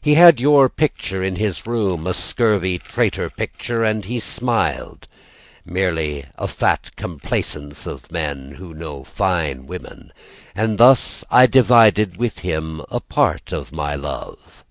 He had your picture in his room, A scurvy traitor picture, And he smiled Merely a fat complacence of men who know fine women And thus I divided with him A part of my love.